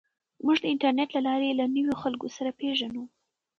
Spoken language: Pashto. موږ د انټرنیټ له لارې له نویو خلکو سره پېژنو.